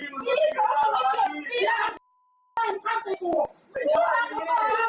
ถืออาวุธในมือไปด้วยครับ